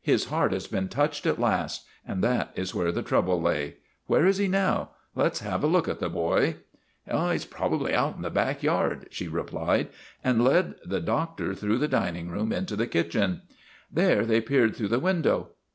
His heart has been touched at last, and that is where the trouble lay. Where is he now? Let 's have a look at the boy." " He 's probably out in the back yard," she re THE REGENERATION OF TIMMY 209 plied, and led the doctor through the dining room into the kitchen. Together they peered through the window.